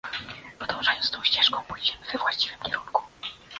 Podążając tą ścieżką, pójdziemy we właściwym kierunku